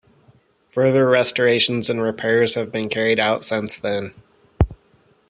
Further restorations and repairs have been carried out since then.